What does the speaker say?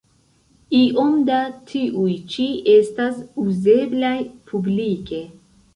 Iom da tiuj ĉi estas uzeblaj publike.